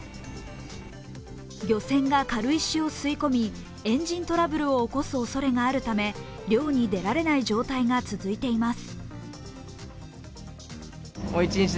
漁船が軽石を吸い込み、エンジントラブルを起こすおそれがあるため漁に出られない状態が続いています。